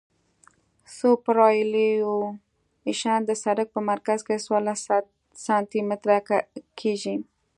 سوپرایلیویشن د سرک په مرکز کې څوارلس سانتي متره کیږي